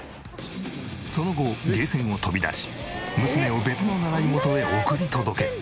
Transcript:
その後ゲーセンを飛び出し娘を別の習い事へ送り届け